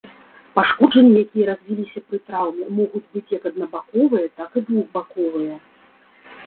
Пашкоджанні, якія развіліся пры траўме, могуць быць як аднабаковыя так і двухбаковыя.